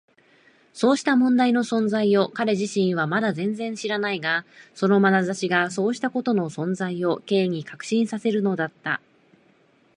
そうした問題の存在を彼自身はまだ全然知らないが、そのまなざしがそうしたことの存在を Ｋ に確信させるのだった。